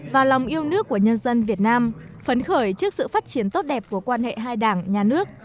và lòng yêu nước của nhân dân việt nam phấn khởi trước sự phát triển tốt đẹp của quan hệ hai đảng nhà nước